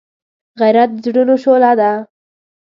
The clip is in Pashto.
غیرت د زړونو شعله ده